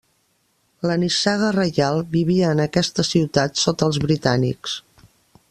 La nissaga reial vivia en aquesta ciutat sota els britànics.